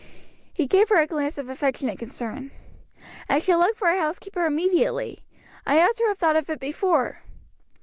He gave her a glance of affectionate concern. "I shall look for a housekeeper immediately. I ought to have thought of it before."